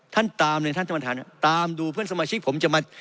ตามเลยท่านท่านประธานตามดูเพื่อนสมาชิกผมจะมา